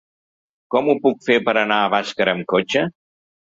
Com ho puc fer per anar a Bàscara amb cotxe?